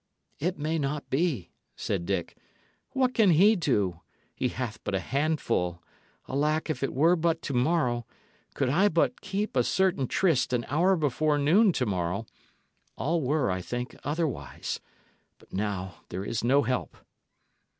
"It may not be," said Dick. "What can he do? He hath but a handful. Alack, if it were but to morrow could I but keep a certain tryst an hour before noon to morrow all were, I think, otherwise. But now there is no help."